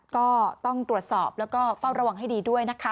ก็ต้องตรวจสอบแล้วก็เฝ้าระวังให้ดีด้วยนะคะ